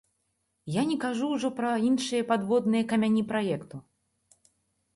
Я не кажу ўжо пра іншыя падводныя камяні праекту.